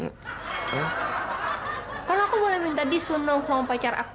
ya kalau aku boleh minta disunung sama pacar aku